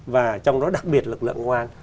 và trong đó đặc biệt lực lượng ngoan